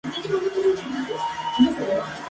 Es utilizado principalmente en los desfiles del Carnaval.